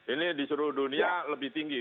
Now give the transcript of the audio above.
ini di seluruh dunia lebih tinggi